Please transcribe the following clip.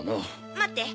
待って。